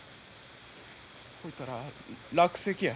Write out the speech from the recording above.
ほいたら落石や。